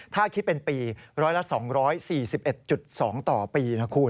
ถ้าคิดเป็นปีร้อยละ๒๔๑๒ต่อปีนะคุณ